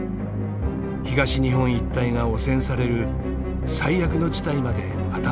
東日本一帯が汚染される最悪の事態まで頭をよぎっていた。